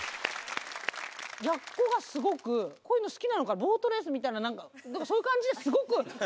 やっこがスゴくこういうの好きなのかボートレースみたいななんかそういう感じでスゴく。